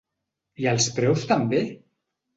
I els preus també?